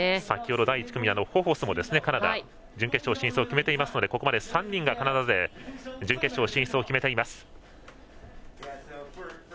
先ほど第１組のホフォスもカナダ、準決勝進出を決めていますのでここまでカナダ勢３人が準決勝進出を決めています。